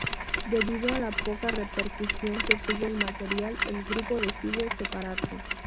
Debido a la poca repercusión que tuvo el material; el grupo decide separarse.